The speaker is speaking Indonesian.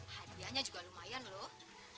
hadianya juga lumayan loh